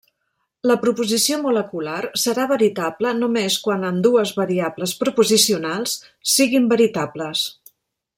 La proposició molecular serà veritable només quan ambdues variables proposicionals siguin veritables.